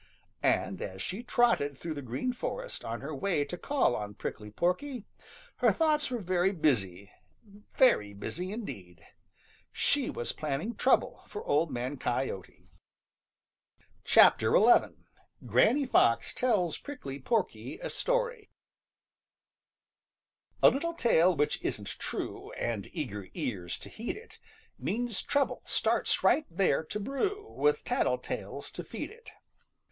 And as she trotted through the Green Forest on her way to call on Prickly Porky, her thoughts were very busy, very busy indeed. She was planning trouble for Old Man Coyote. XI. GRANNY FOX TELLS PRICKLY PORKY A STORY A little tale which isn't true, And eager ears to heed it, Means trouble starts right there to brew With tattle tales to feed it.